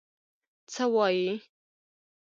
_څه وايي؟